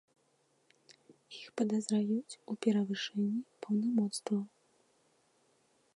Іх падазраюць у перавышэнні паўнамоцтваў.